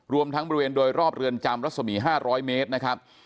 รวมทั้งบริเวณโดยรอบเรือนจำรัศมี๕๐๐เมตรนะครับ